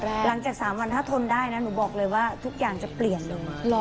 แรกหลังจากสามวันถ้าทนได้นะหนูบอกเลยว่าทุกอย่างจะเปลี่ยนลงมาหรอ